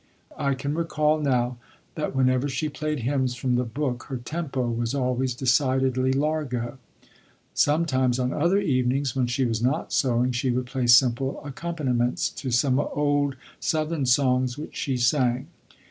I can recall now that whenever she played hymns from the book her tempo was always decidedly largo. Sometimes on other evenings, when she was not sewing, she would play simple accompaniments to some old Southern songs which she sang.